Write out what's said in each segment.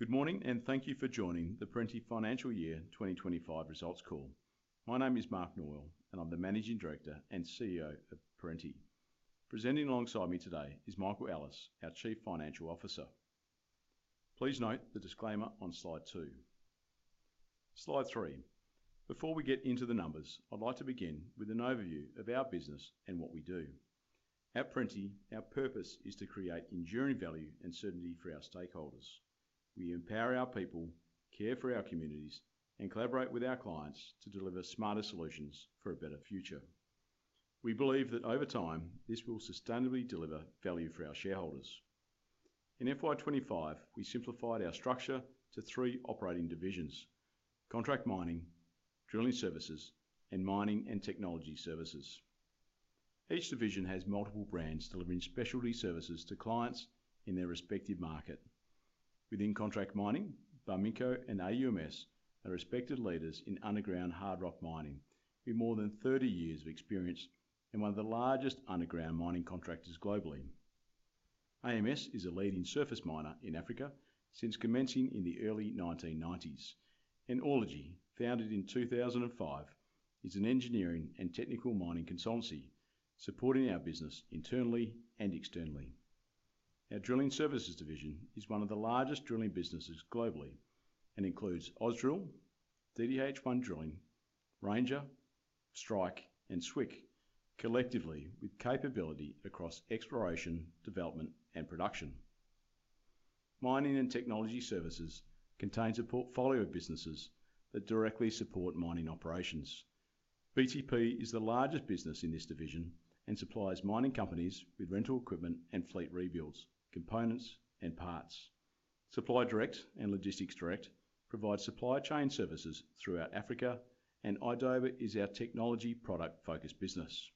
Good morning and thank you for joining the Perenti Financial Year 2025 results call. My name is Mark Norwell, and I'm the Managing Director and CEO of Perenti. Presenting alongside me today is Michael Ellis, our Chief Financial Officer. Please note the disclaimer on slide two. Slide three. Before we get into the numbers, I'd like to begin with an overview of our business and what we do. At Perenti, our purpose is to create enduring value and certainty for our stakeholders. We empower our people, care for our communities, and collaborate with our clients to deliver smarter solutions for a better future. We believe that over time, this will sustainably deliver value for our shareholders. In FY25, we simplified our structure to three operating divisions: Contract Mining, Drilling Services, and Mining and Technology Services. Each division has multiple brands delivering specialty services to clients in their respective market. Within Contract Mining, Barminco and AUMS are respected leaders in underground hard rock mining with more than 30 years of experience and one of the largest underground mining contractors globally. AUMS is a leading surface miner in Africa since commencing in the early 1990s, and Orelogy, founded in 2005, is an engineering and technical mining consultancy supporting our business internally and externally. Our Drilling Services division is one of the largest drilling businesses globally and includes Ausdrill, DDH1 Drilling, Ranger, Strike, and Swick, collectively with capability across exploration, development, and production. Mining and Technology Services contains a portfolio of businesses that directly support mining operations. BTP is the largest business in this division and supplies mining companies with rental equipment and fleet rebuilds, components, and parts. SupplyDirect and LogisticsDirect provide supply chain services throughout Africa, and Idova is our technology product-focused business.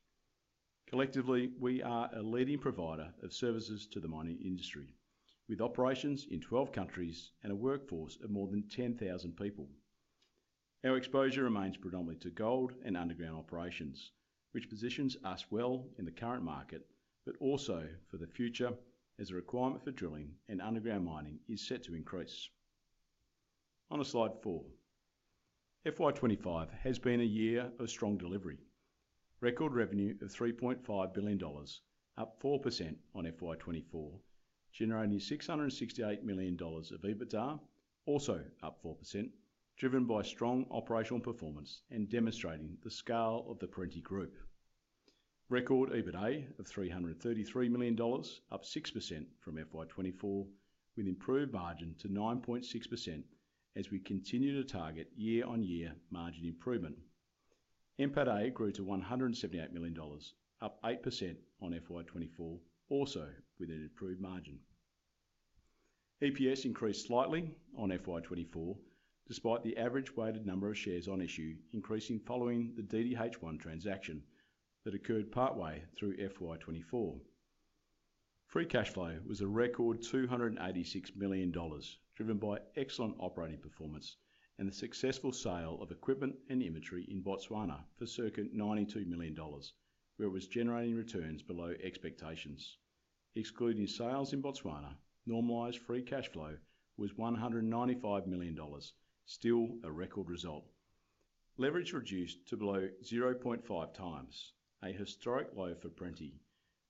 Collectively, we are a leading provider of services to the mining industry, with operations in 12 countries and a workforce of more than 10,000 people. Our exposure remains predominantly to gold and underground operations, which positions us well in the current market, but also for the future as a requirement for drilling and underground mining is set to increase. On the slide four, FY25 has been a year of strong delivery. Record revenue of $3.5 billion, up 4% on FY24, generating $668 million of EBITDA, also up 4%, driven by strong operational performance and demonstrating the scale of the Perenti Group. Record EBITDA of $333 million, up 6% from FY24, with improved margin to 9.6% as we continue to target year-on-year margin improvement. MPADA grew to $178 million, up 8% on FY24, also with an improved margin. EPS increased slightly on FY24, despite the average weighted number of shares on issue increasing following the DDH1 Limited transaction that occurred partway through FY24. Free cash flow was a record $286 million, driven by excellent operating performance and the successful sale of equipment and inventory in Botswana for approximately $92 million, where it was generating returns below expectations. Excluding sales in Botswana, normalized free cash flow was $195 million, still a record result. Leverage reduced to below 0.5 times, a historic low for Perenti,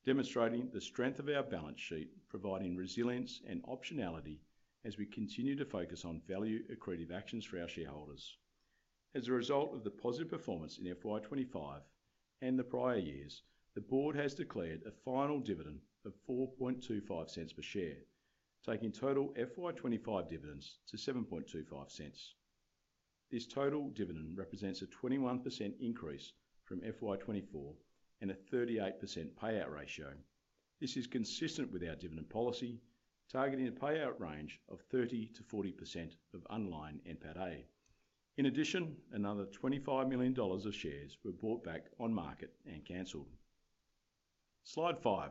demonstrating the strength of our balance sheet, providing resilience and optionality as we continue to focus on value accretive actions for our shareholders. As a result of the positive performance in FY25 and the prior years, the board has declared a final dividend of $0.0425 per share, taking total FY25 dividends to $0.0725. This total dividend represents a 21% increase from FY24 and a 38% payout ratio. This is consistent with our dividend policy, targeting a payout range of 30% to 40% of underlying MPADA. In addition, another $25 million of shares were bought back on market and canceled. Slide five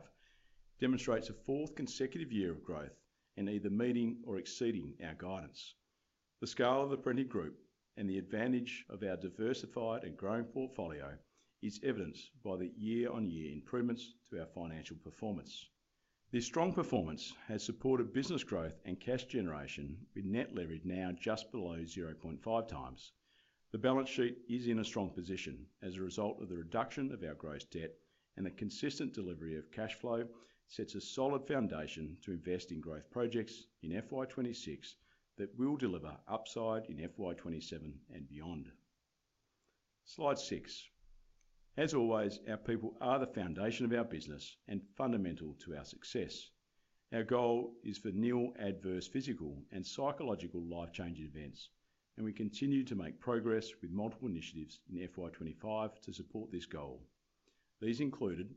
demonstrates a fourth consecutive year of growth and either meeting or exceeding our guidance. The scale of the Perenti Group and the advantage of our diversified and growing portfolio is evidenced by the year-on-year improvements to our financial performance. This strong performance has supported business growth and cash generation, with net leverage now just below 0.5 times. The balance sheet is in a strong position as a result of the reduction of our gross debt, and the consistent delivery of cash flow sets a solid foundation to invest in growth projects in FY26 that will deliver upside in FY27 and beyond. Slide six. As always, our people are the foundation of our business and fundamental to our success. Our goal is for nil adverse physical and psychological life-changing events, and we continue to make progress with multiple initiatives in FY25 to support this goal. These included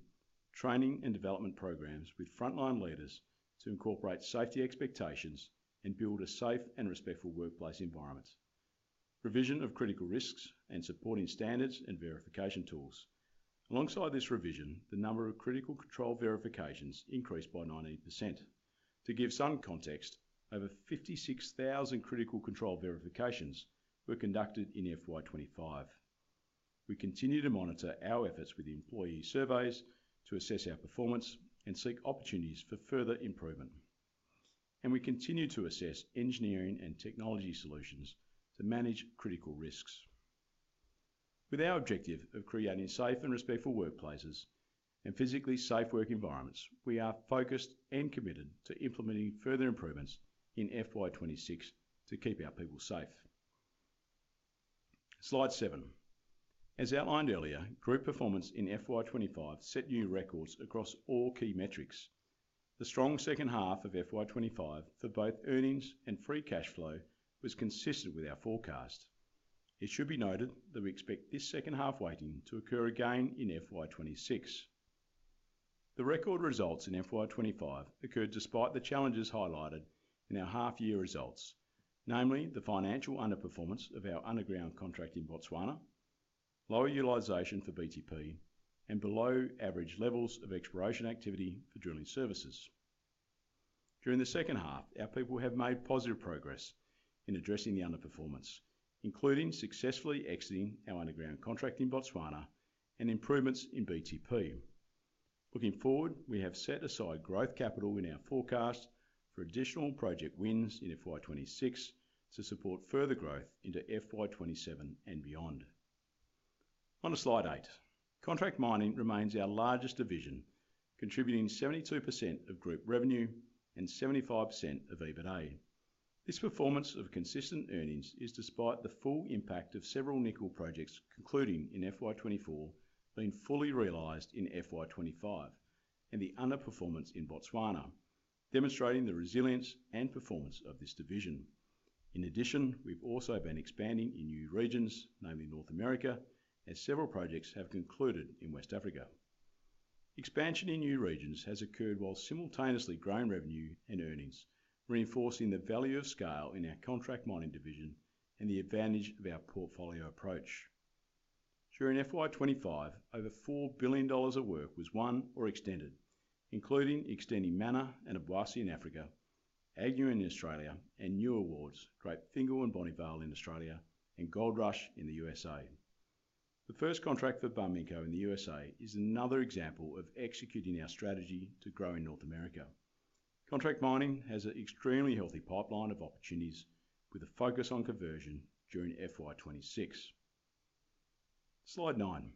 training and development programs with frontline leaders to incorporate safety expectations and build a safe and respectful workplace environment. Revision of critical risks and supporting standards and verification tools. Alongside this revision, the number of critical control verifications increased by 90%. To give some context, over 56,000 critical control verifications were conducted in FY25. We continue to monitor our efforts with employee surveys to assess our performance and seek opportunities for further improvement. We continue to assess engineering and technology solutions to manage critical risks. With our objective of creating safe and respectful workplaces and physically safe work environments, we are focused and committed to implementing further improvements in FY26 to keep our people safe. Slide seven. As outlined earlier, group performance in FY25 set new records across all key metrics. The strong second half of FY25 for both earnings and free cash flow was consistent with our forecast. It should be noted that we expect this second half weighting to occur again in FY26. The record results in FY25 occurred despite the challenges highlighted in our half-year results, namely the financial underperformance of our underground contract in Botswana, lower utilization for BTP, and below-average levels of exploration activity for drilling services. During the second half, our people have made positive progress in addressing the underperformance, including successfully exiting our underground contract in Botswana and improvements in BTP. Looking forward, we have set aside growth capital in our forecast for additional project wins in FY26 to support further growth into FY27 and beyond. On the slide eight, Contract Mining remains our largest division, contributing 72% of group revenue and 75% of EBITDA. This performance of consistent earnings is despite the full impact of several nickel projects, including in FY24, being fully realized in FY25, and the underperformance in Botswana, demonstrating the resilience and performance of this division. In addition, we've also been expanding in new regions, namely North America, as several projects have concluded in West Africa. Expansion in new regions has occurred while simultaneously growing revenue and earnings, reinforcing the value of scale in our Contract Mining division and the advantage of our portfolio approach. During FY25, over $4 billion of work was won or extended, including extending Manna and Abwasi in Africa, Agnew in Australia, and new awards like Fingal and Bonnyvale in Australia and Goldrush in the USA. The first contract for Barminco in the USA is another example of executing our strategy to grow in North America. Contract mining has an extremely healthy pipeline of opportunities with a focus on conversion during FY26. Slide nine.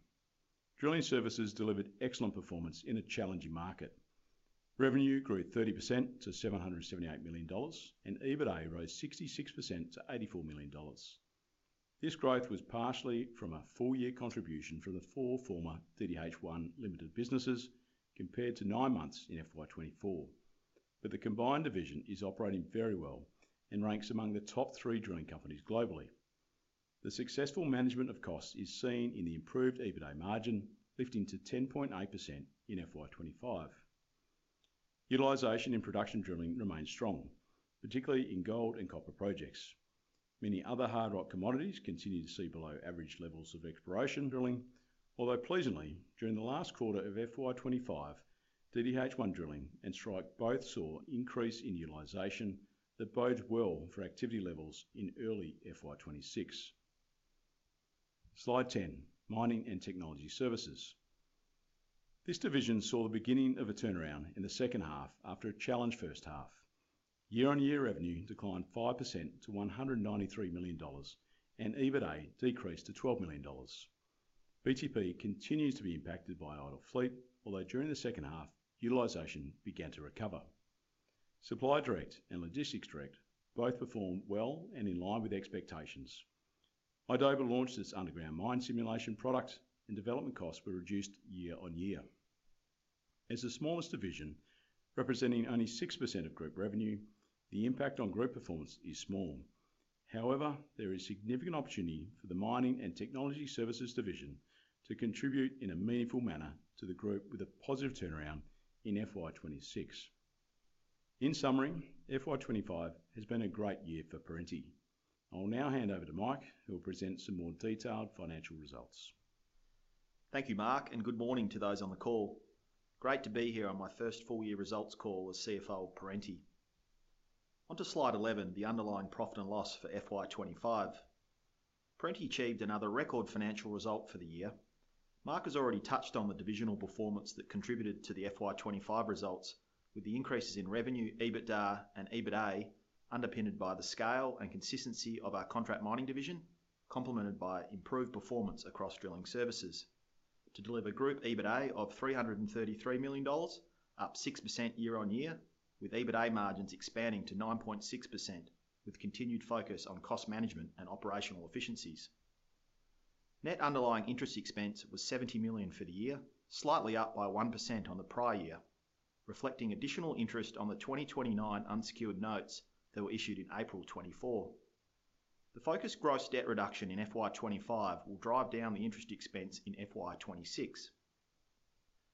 Drilling services delivered excellent performance in a challenging market. Revenue grew 30% to $778 million, and EBITDA rose 66% to $84 million. This growth was partially from a full-year contribution for the four former DDH1 Limited businesses compared to nine months in FY24, but the combined division is operating very well and ranks among the top three drilling companies globally. The successful management of costs is seen in the improved EBITDA margin, lifting to 10.8% in FY25. Utilization in production drilling remains strong, particularly in gold and copper projects. Many other hard rock commodities continue to see below-average levels of exploration drilling, although pleasingly, during the last quarter of FY25, DDH1 Drilling and Strike both saw an increase in utilization that bodes well for activity levels in early FY26. Slide ten. Mining and Technology Services. This division saw the beginning of a turnaround in the second half after a challenged first half. Year-on-year revenue declined 5% to $193 million, and EBITDA decreased to $12 million. BTP continues to be impacted by idle fleet, although during the second half, utilization began to recover. SupplyDirect and LogisticsDirect both performed well and in line with expectations. Idova launched its underground mine simulation product, and development costs were reduced year on year. As the smallest division, representing only 6% of group revenue, the impact on group performance is small. However, there is significant opportunity for the Mining and Technology Services division to contribute in a meaningful manner to the group with a positive turnaround in FY26. In summary, FY25 has been a great year for Perenti. I will now hand over to Mike, who will present some more detailed financial results. Thank you, Mark, and good morning to those on the call. Great to be here on my first full-year results call as CFO of Perenti. Onto slide 11, the underlying profit and loss for FY25. Perenti achieved another record financial result for the year. Mark has already touched on the divisional performance that contributed to the FY25 results, with the increases in revenue, EBITDA, and EBITDA underpinned by the scale and consistency of our Contract Mining division, complemented by improved performance across drilling services. To deliver group EBITDA of $333 million, up 6% year on year, with EBITDA margins expanding to 9.6% with continued focus on cost management and operational efficiencies. Net underlying interest expense was $70 million for the year, slightly up by 1% on the prior year, reflecting additional interest on the 2029 unsecured notes that were issued in April 2024. The focused gross debt reduction in FY25 will drive down the interest expense in FY26.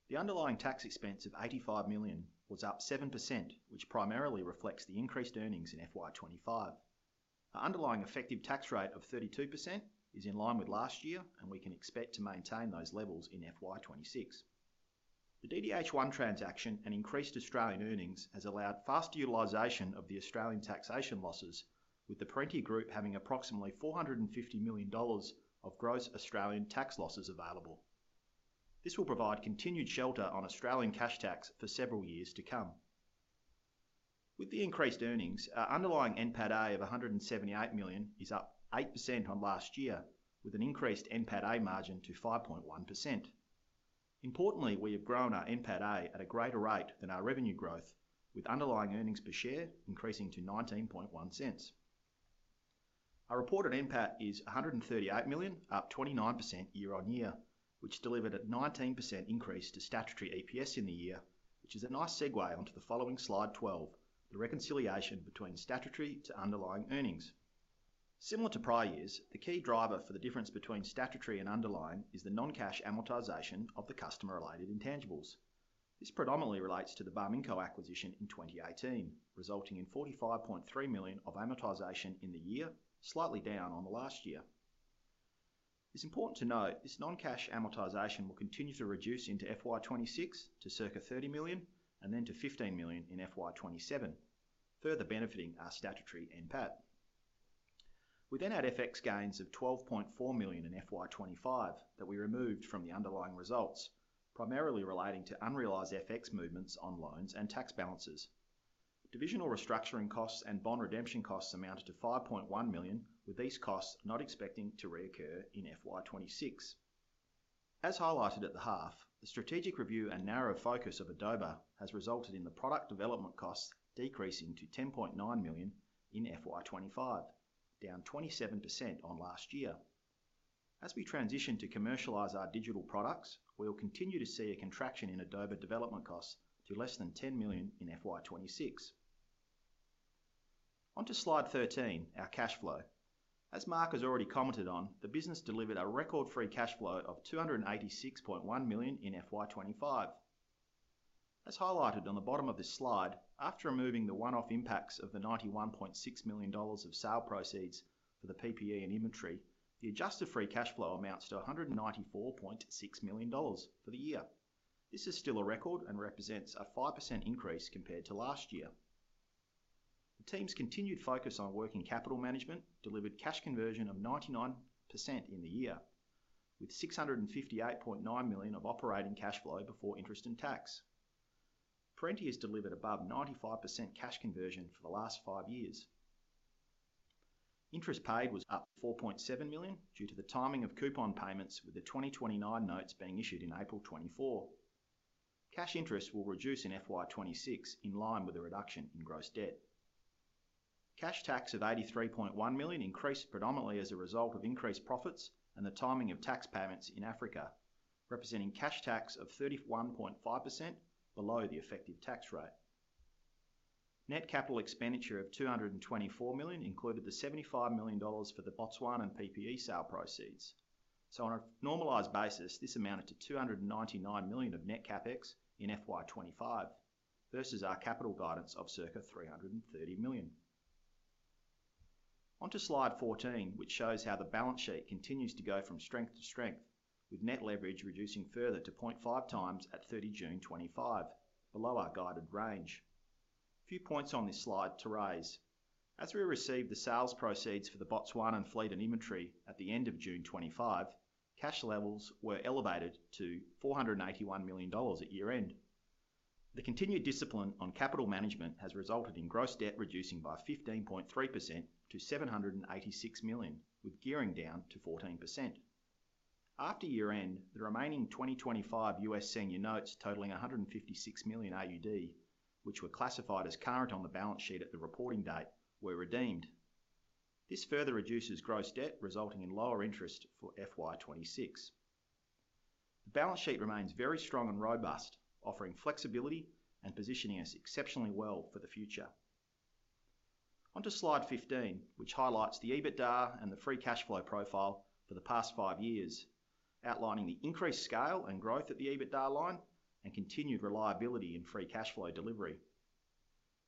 The underlying tax expense of $85 million was up 7%, which primarily reflects the increased earnings in FY25. An underlying effective tax rate of 32% is in line with last year, and we can expect to maintain those levels in FY26. The DDH1 Limited transaction and increased Australian earnings has allowed faster utilization of the Australian taxation losses, with the Perenti Group having approximately $450 million of gross Australian tax losses available. This will provide continued shelter on Australian cash tax for several years to come. With the increased earnings, our underlying NPAT of $178 million is up 8% on last year, with an increased NPAT margin to 5.1%. Importantly, we have grown our NPAT at a greater rate than our revenue growth, with underlying earnings per share increasing to $0.191. Our reported NPAT is $138 million, up 29% year on year, which delivered a 19% increase to statutory EPS in the year, which is a nice segue onto the following slide 12, the reconciliation between statutory to underlying earnings. Similar to prior years, the key driver for the difference between statutory and underlying is the non-cash amortization of the customer-related intangibles. This predominantly relates to the Barminco acquisition in 2018, resulting in $45.3 million of amortization in the year, slightly down on the last year. It's important to note this non-cash amortization will continue to reduce into FY26 to circa $30 million and then to $15 million in FY27, further benefiting our statutory NPAT. We then had FX gains of $12.4 million in FY25 that we removed from the underlying results, primarily relating to unrealized FX movements on loans and tax balances. Divisional restructuring costs and bond redemption costs amounted to $5.1 million, with these costs not expecting to reoccur in FY26. As highlighted at the half, the strategic review and narrow focus of Idova has resulted in the product development costs decreasing to $10.9 million in FY25, down 27% on last year. As we transition to commercialize our digital products, we'll continue to see a contraction in Idova development costs to less than $10 million in FY26. Onto slide 13, our cash flow. As Mark has already commented on, the business delivered a record free cash flow of $286.1 million in FY25. As highlighted on the bottom of this slide, after removing the one-off impacts of the $91.6 million of sale proceeds for the PPE and inventory, the adjusted free cash flow amounts to $194.6 million for the year. This is still a record and represents a 5% increase compared to last year. The team's continued focus on working capital management delivered cash conversion of 99% in the year, with $658.9 million of operating cash flow before interest and tax. Perenti has delivered above 95% cash conversion for the last five years. Interest paid was up $4.7 million due to the timing of coupon payments, with the 2029 notes being issued in April 2024. Cash interest will reduce in FY26 in line with a reduction in gross debt. Cash tax of $83.1 million increased predominantly as a result of increased profits and the timing of tax payments in Africa, representing a cash tax of 31.5% below the effective tax rate. Net capital expenditure of $224 million included the $75 million for the Botswana PPE sale proceeds. On a normalized basis, this amounted to $299 million of net CapEx in FY25 versus our capital guidance of circa $330 million. Onto slide 14, which shows how the balance sheet continues to go from strength to strength, with net leverage reducing further to 0.5 times at 30 June 2025, below our guided range. A few points on this slide to raise. As we received the sales proceeds for the Botswana fleet and inventory at the end of June 2025, cash levels were elevated to $481 million at year-end. The continued discipline on capital management has resulted in gross debt reducing by 15.3% to $786 million, with gearing down to 14%. After year-end, the remaining 2025 U.S. Senior Notes totaling $156 million AUD, which were classified as current on the balance sheet at the reporting date, were redeemed. This further reduces gross debt, resulting in lower interest for FY26. The balance sheet remains very strong and robust, offering flexibility and positioning us exceptionally well for the future. Onto slide 15, which highlights the EBITDA and the free cash flow profile for the past five years, outlining the increased scale and growth at the EBITDA line and continued reliability in free cash flow delivery.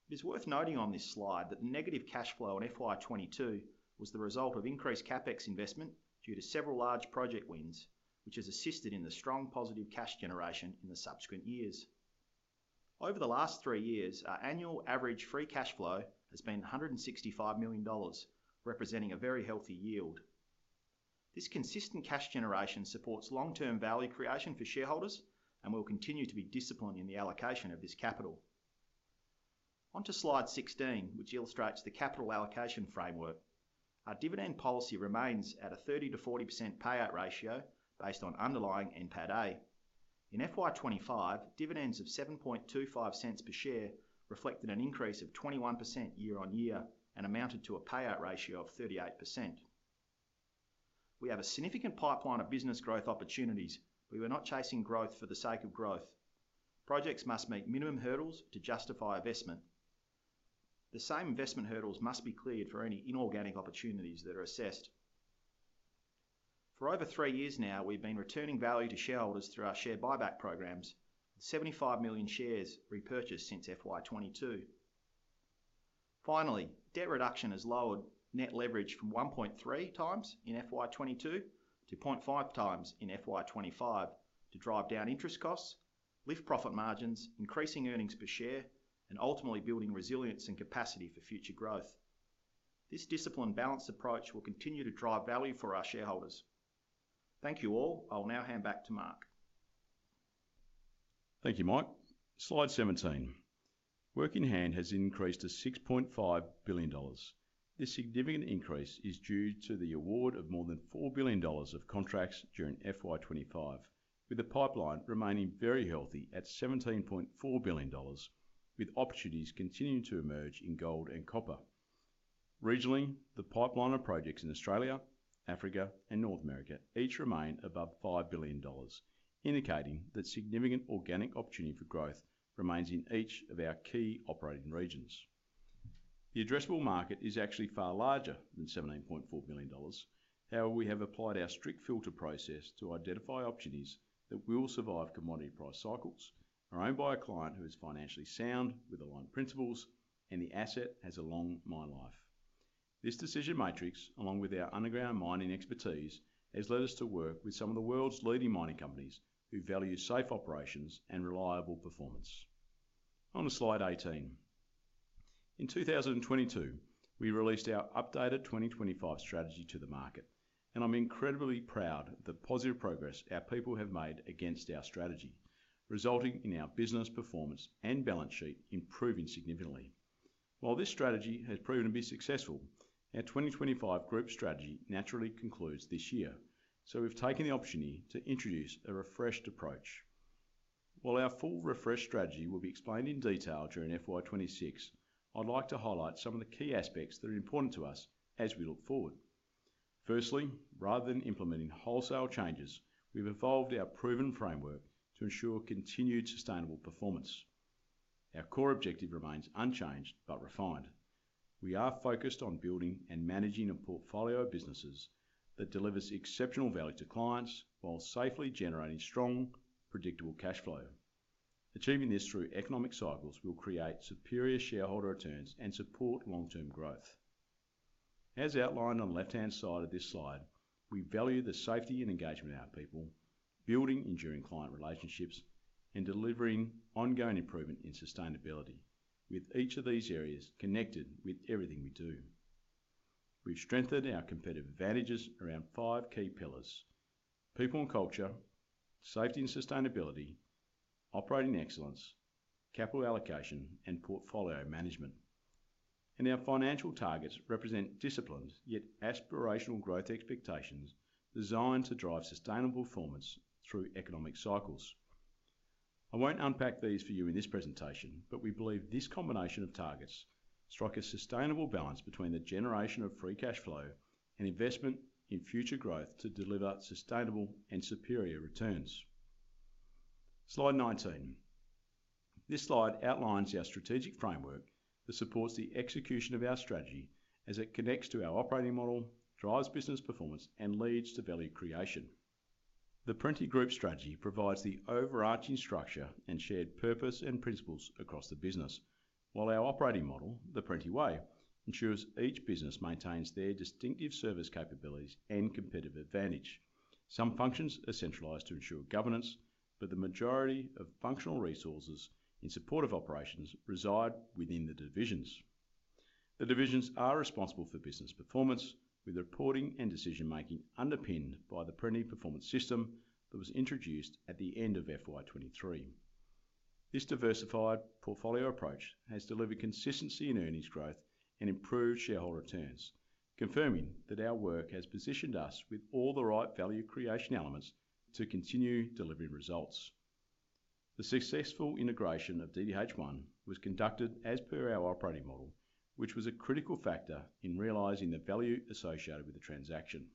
It is worth noting on this slide that the negative cash flow in FY22 was the result of increased CapEx investment due to several large project wins, which has assisted in the strong positive cash generation in the subsequent years. Over the last three years, our annual average free cash flow has been $165 million, representing a very healthy yield. This consistent cash generation supports long-term value creation for shareholders and will continue to be disciplined in the allocation of this capital. Onto slide 16, which illustrates the capital allocation framework. Our dividend policy remains at a 30%-40% payout ratio based on underlying MPADA. In FY25, dividends of $0.0725 per share reflected an increase of 21% year on year and amounted to a payout ratio of 38%. We have a significant pipeline of business growth opportunities, but we're not chasing growth for the sake of growth. Projects must meet minimum hurdles to justify investment. The same investment hurdles must be cleared for any inorganic opportunities that are assessed. For over three years now, we've been returning value to shareholders through our share buyback programs, with 75 million shares repurchased since FY22. Finally, debt reduction has lowered net leverage from 1.3x in FY22 to 0.5x in FY25 to drive down interest costs, lift profit margins, increasing earnings per share, and ultimately building resilience and capacity for future growth. This disciplined balanced approach will continue to drive value for our shareholders. Thank you all. I will now hand back to Mark. Thank you, Mike. Slide 17. Working hand has increased to $6.5 billion. This significant increase is due to the award of more than $4 billion of contracts during FY25, with the pipeline remaining very healthy at $17.4 billion, with opportunities continuing to emerge in gold and copper. Regionally, the pipeline of projects in Australia, Africa, and North America each remain above $5 billion, indicating that significant organic opportunity for growth remains in each of our key operating regions. The addressable market is actually far larger than $17.4 billion. However, we have applied our strict filter process to identify opportunities that will survive commodity price cycles, are owned by a client who is financially sound with aligned principles, and the asset has a long mine life. This decision matrix, along with our underground mining expertise, has led us to work with some of the world's leading mining companies who value safe operations and reliable performance. On to slide 18. In 2022, we released our updated 2025 strategy to the market, and I'm incredibly proud of the positive progress our people have made against our strategy, resulting in our business performance and balance sheet improving significantly. While this strategy has proven to be successful, our 2025 group strategy naturally concludes this year, so we've taken the opportunity to introduce a refreshed approach. While our full refreshed strategy will be explained in detail during FY26, I'd like to highlight some of the key aspects that are important to us as we look forward. Firstly, rather than implementing wholesale changes, we've evolved our proven framework to ensure continued sustainable performance. Our core objective remains unchanged but refined. We are focused on building and managing a portfolio of businesses that delivers exceptional value to clients while safely generating strong, predictable cash flow. Achieving this through economic cycles will create superior shareholder returns and support long-term growth. As outlined on the left-hand side of this slide, we value the safety and engagement of our people, building enduring client relationships, and delivering ongoing improvement in sustainability, with each of these areas connected with everything we do. We've strengthened our competitive advantages around five key pillars: people and culture, safety and sustainability, operating excellence, capital allocation, and portfolio management. Our financial targets represent disciplined yet aspirational growth expectations designed to drive sustainable performance through economic cycles. I won't unpack these for you in this presentation, but we believe this combination of targets strikes a sustainable balance between the generation of free cash flow and investment in future growth to deliver sustainable and superior returns. Slide 19. This slide outlines our strategic framework that supports the execution of our strategy as it connects to our operating model, drives business performance, and leads to value creation. The Perenti Group strategy provides the overarching structure and shared purpose and principles across the business, while our operating model, the Perenti Way, ensures each business maintains their distinctive service capabilities and competitive advantage. Some functions are centralized to ensure governance, but the majority of functional resources in support of operations reside within the divisions. The divisions are responsible for business performance, with reporting and decision-making underpinned by the Perenti Performance System that was introduced at the end of FY2023. This diversified portfolio approach has delivered consistency in earnings growth and improved shareholder returns, confirming that our work has positioned us with all the right value creation elements to continue delivering results. The successful integration of DDH1 Limited was conducted as per our operating model, which was a critical factor in realizing the value associated with the transaction.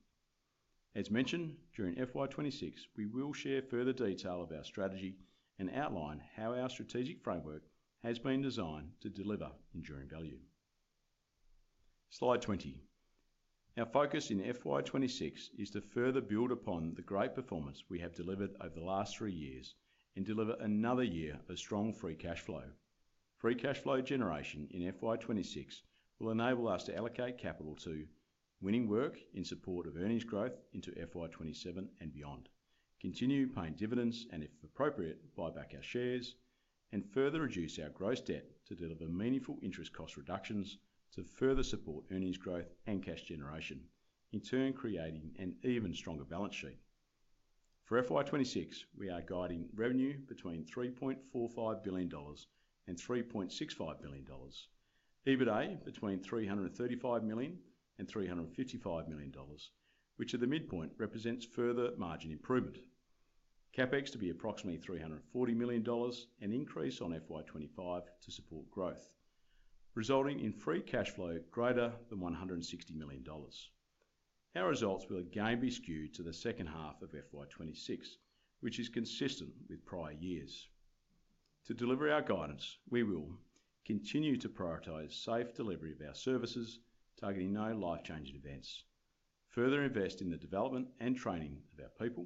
As mentioned, during FY2026, we will share further detail of our strategy and outline how our strategic framework has been designed to deliver enduring value. Slide 20. Our focus in FY2026 is to further build upon the great performance we have delivered over the last three years and deliver another year of strong free cash flow. Free cash flow generation in FY2026 will enable us to allocate capital to winning work in support of earnings growth into FY2027 and beyond, continue paying dividends and, if appropriate, buy back our shares, and further reduce our gross debt to deliver meaningful interest cost reductions to further support earnings growth and cash generation, in turn creating an even stronger balance sheet. For FY26, we are guiding revenue between $3.45 billion and $3.65 billion, EBITDA between $335 million and $355 million, which at the midpoint represents further margin improvement. CapEx to be approximately $340 million, an increase on FY25 to support growth, resulting in free cash flow greater than $160 million. Our results will again be skewed to the second half of FY26, which is consistent with prior years. To deliver our guidance, we will continue to prioritize safe delivery of our services, targeting no life-changing events, further invest in the development and training of our people,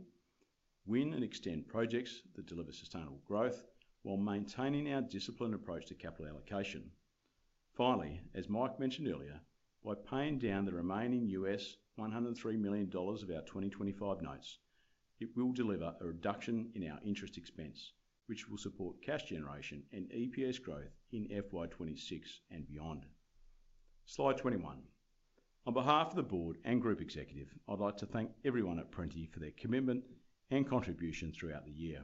win and extend projects that deliver sustainable growth while maintaining our disciplined approach to capital allocation. Finally, as Mike mentioned earlier, by paying down the remaining US $103 million of our 2025 notes, it will deliver a reduction in our interest expense, which will support cash generation and EPS growth in FY26 and beyond. Slide 21. On behalf of the Board and Group Executive, I'd like to thank everyone at Perenti for their commitment and contribution throughout the year.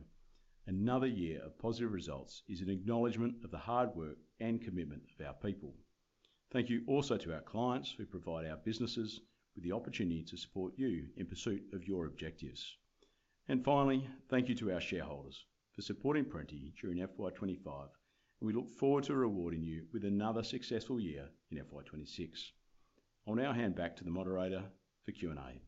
Another year of positive results is an acknowledgement of the hard work and commitment of our people. Thank you also to our clients who provide our businesses with the opportunity to support you in pursuit of your objectives. Finally, thank you to our shareholders for supporting Perenti during FY25, and we look forward to rewarding you with another successful year in FY26. I'll now hand back to the moderator for Q&A.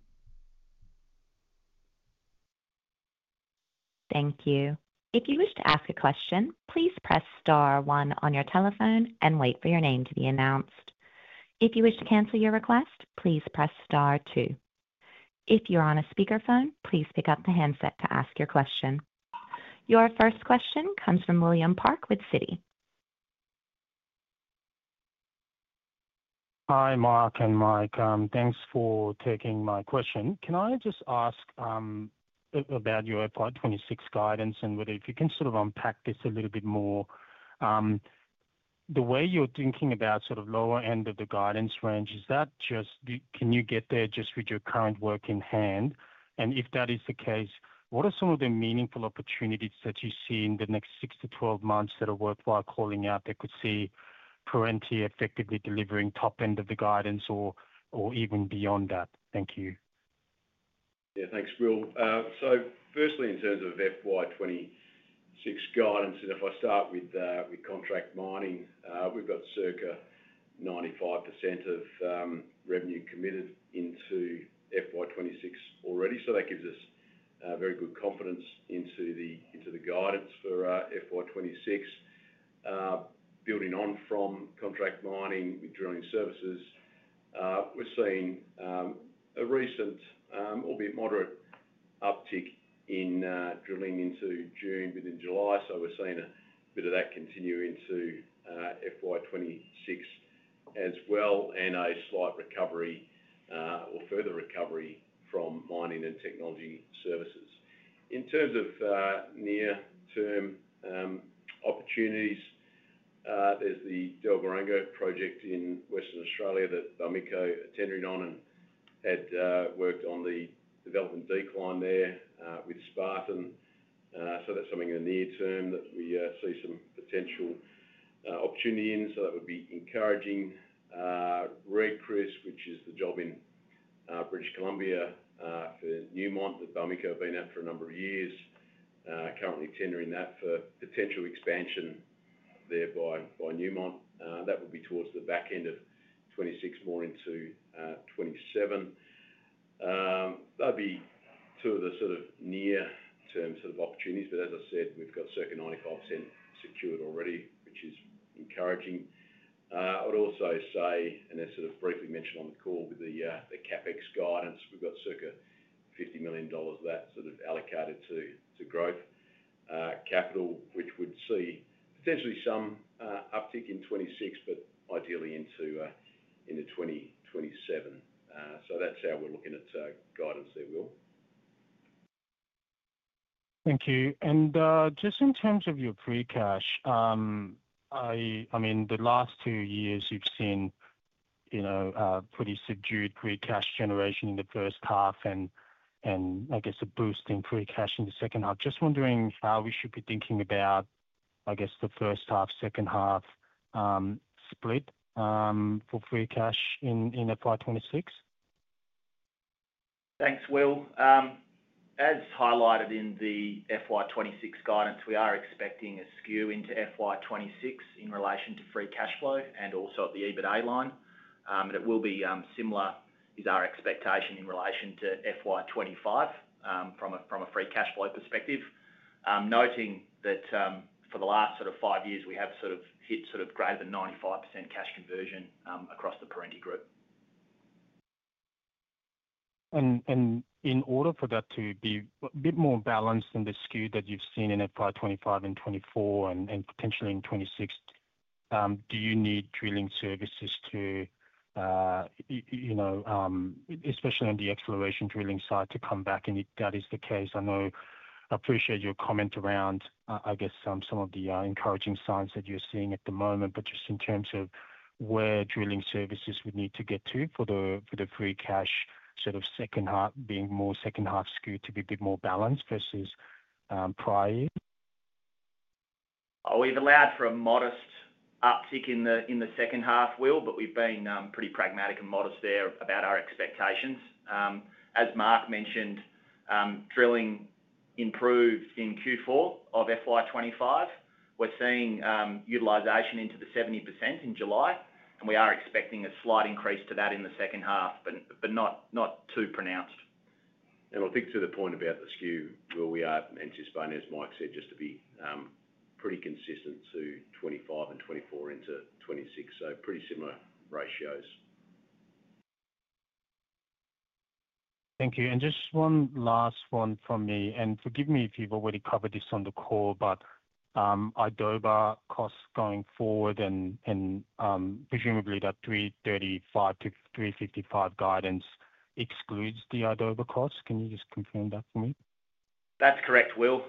Thank you. If you wish to ask a question, please press star one on your telephone and wait for your name to be announced. If you wish to cancel your request, please press star two. If you're on a speakerphone, please pick up the handset to ask your question. Your first question comes from William Park with City. Hi, Mark and Mike. Thanks for taking my question. Can I just ask about your FY26 guidance and whether you can sort of unpack this a little bit more? The way you're thinking about sort of lower end of the guidance range, is that just can you get there just with your current work in hand? If that is the case, what are some of the meaningful opportunities that you see in the next 6 to 12 months that are worthwhile calling out that could see Perenti effectively delivering top end of the guidance or even beyond that? Thank you. Yeah, thanks, Will. Firstly, in terms of FY2026 guidance, and if I start with Contract Mining, we've got circa 95% of revenue committed into FY2026 already. That gives us very good confidence into the guidance for FY2026. Building on from Contract Mining with drilling services, we're seeing a recent, albeit moderate, uptick in drilling into June, mid and July. We're seeing a bit of that continue into FY2026 as well, and a slight recovery or further recovery from Mining and Technology Services. In terms of near-term opportunities, there's the Delbaronga project in Western Australia that Barminco attended on and had worked on the development decline there with Spartan. That's something in the near term that we see some potential opportunity in. That would be encouraging. Red Chris, which is the job in British Columbia for Newmont that Barminco have been at for a number of years, currently tendering that for potential expansion there by Newmont. That would be towards the back end of 2026, more into 2027. That would be two of the sort of near-term opportunities. As I said, we've got circa 95% secured already, which is encouraging. I would also say, and as sort of briefly mentioned on the call with the CapEx guidance, we've got circa $50 million of that allocated to growth capital, which would see potentially some uptick in 2026, but ideally into 2027. That's how we're looking at guidance there, Will. Thank you. In terms of your free cash, the last two years you've seen pretty subdued free cash generation in the first half and, I guess, a boost in free cash in the second half. Just wondering how we should be thinking about the first half, second half split for free cash in FY2026. Thanks, Will. As highlighted in the FY26 guidance, we are expecting a skew into FY26 in relation to free cash flow and also at the EBITDA line. It will be similar with our expectation in relation to FY25 from a free cash flow perspective, noting that for the last sort of five years, we have sort of hit sort of greater than 95% cash conversion across the Perenti Group. In order for that to be a bit more balanced than the skew that you've seen in FY2025 and FY2024 and potentially in FY2026, do you need drilling services to, especially on the exploration drilling side, come back? If that is the case, I appreciate your comment around some of the encouraging signs that you're seeing at the moment, but just in terms of where drilling services would need to get to for the free cash sort of second half being more second half skewed to be a bit more balanced versus prior year? We've allowed for a modest uptick in the second half, Will, but we've been pretty pragmatic and modest there about our expectations. As Mark mentioned, drilling improved in Q4 of FY25. We're seeing utilization into the 70% in July, and we are expecting a slight increase to that in the second half, but not too pronounced. I'll stick to the point about the skew where we are anticipating, as Mike said, just to be pretty consistent to 2025 and 2024 into 2026. Pretty similar ratios. Thank you. Just one last one from me, and forgive me if you've already covered this on the call, but Idova costs going forward and presumably that $335 million to $355 million guidance excludes the Idova costs. Can you just confirm that for me? That's correct, Will.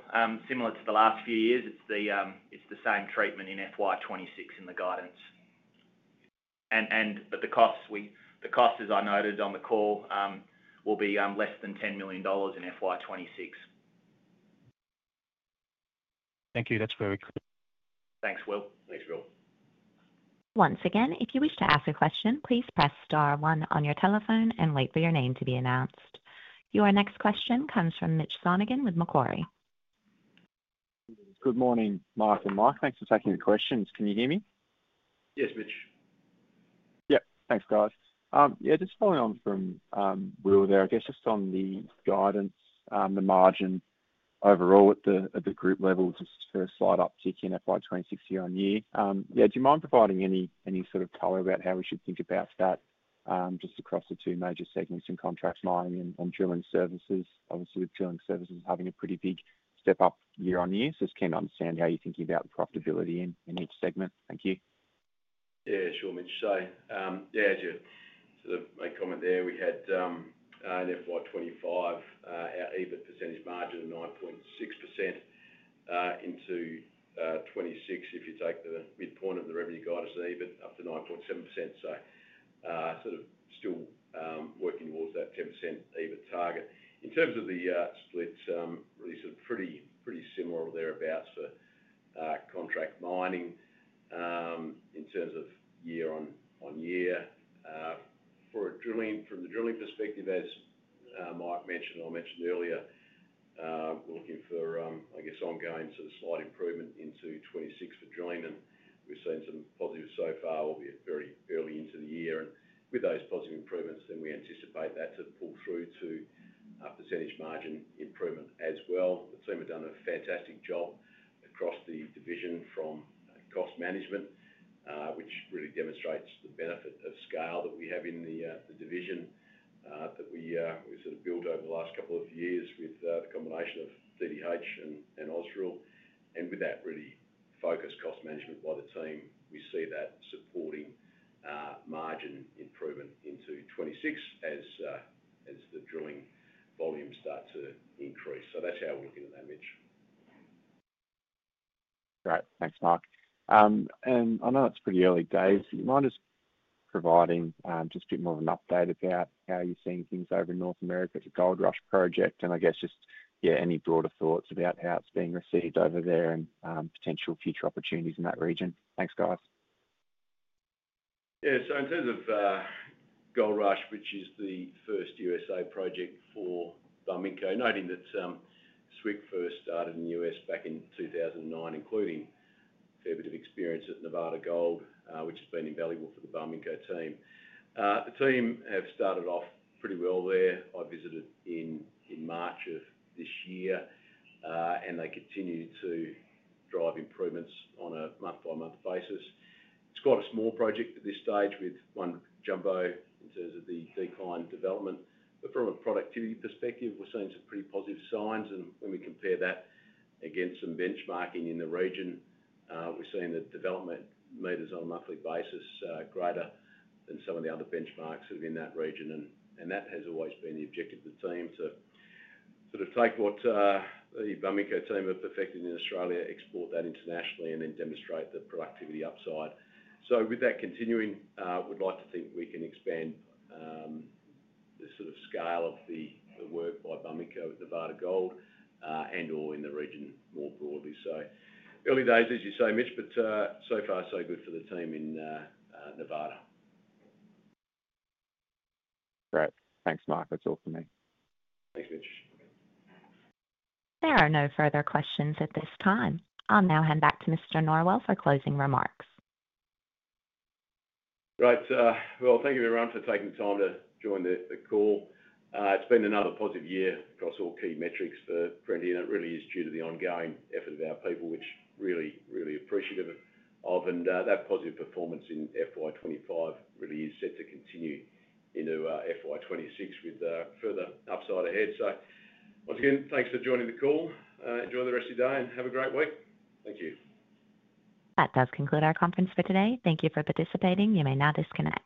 Similar to the last few years, it's the same treatment in FY2026 in the guidance. The costs, as I noted on the call, will be less than $10 million in FY2026. Thank you. That's very good. Thanks, Will. Thanks, Will. Once again, if you wish to ask a question, please press star one on your telephone and wait for your name to be announced. Your next question comes from Mitch Sonnegan with Macquarie. Good morning, Mark and Mike. Thanks for taking the questions. Can you hear me? Yes, Mitch. Yeah, thanks, guys. Just following on from Will there, I guess just on the guidance, the margin overall at the group level, just a slight uptick in FY2026 year on year. Do you mind providing any sort of color about how we should think about that just across the two major segments in contract mining and on drilling services? Obviously, with drilling services having a pretty big step up year on year, so I just came to understand how you're thinking about the profitability in each segment. Thank you. Yeah, sure, Mitch. To sort of make a comment there, we had in FY2025 our EBIT % margin of 9.6%. Into 2026, if you take the midpoint of the revenue guidance of EBIT up to 9.7%. Sort of still working towards that 10% EBIT target. In terms of the split, really sort of pretty similar or thereabouts for contract mining in terms of year on year. From the drilling perspective, as Mike mentioned or I mentioned earlier, we're looking for, I guess, ongoing sort of slight improvement into 2026 for drilling, and we've seen some positives so far, albeit very early into the year. With those positive improvements, we anticipate that to pull through to % margin improvement as well. The team have done a fantastic job across the division from cost management, which really demonstrates the benefit of scale that we have in the division that we sort of built over the last couple of years with the combination of DDH1 Limited and Ausdrill. With that really focused cost management by the team, we see that supporting margin improvement into 2026 as the drilling volumes start to increase. That's how we're looking at that, Mitch. Great. Thanks, Mark. I know it's pretty early days, so you mind just providing a bit more of an update about how you're seeing things over in North America with the Goldrush project? I guess just, yeah, any broader thoughts about how it's being received over there and potential future opportunities in that region? Thanks, guys. Yeah, so in terms of Goldrush, which is the first USA project for Barminco, noting that SWIC first started in the U.S. back in 2009, including a fair bit of experience at Nevada Gold, which has been invaluable for the Barminco team. The team have started off pretty well there. I visited in March of this year, and they continue to drive improvements on a month-by-month basis. It's quite a small project at this stage with one jumbo in terms of the decline development. From a productivity perspective, we're seeing some pretty positive signs. When we compare that against some benchmarking in the region, we're seeing the development meters on a monthly basis greater than some of the other benchmarks that have been in that region. That has always been the objective of the team to sort of take what the Barminco team have perfected in Australia, export that internationally, and then demonstrate the productivity upside. With that continuing, we'd like to think we can expand the sort of scale of the work by Barminco at Nevada Gold and/or in the region more broadly. Early days, as you say, Mitch, but so far so good for the team in Nevada. Great. Thanks, Mark. That's all for me. Thanks, Mitch. There are no further questions at this time. I'll now hand back to Mr. Norwell for closing remarks. Right. Thank you, everyone, for taking the time to join the call. It's been another positive year across all key metrics for Perenti, and it really is due to the ongoing effort of our people, which we're really, really appreciative of. That positive performance in FY2025 really is set to continue into FY2026 with further upside ahead. Once again, thanks for joining the call. Enjoy the rest of your day and have a great week. Thank you. That does conclude our conference for today. Thank you for participating. You may now disconnect.